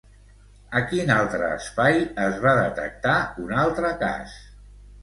A quin altre espai es va detectar un altre cas?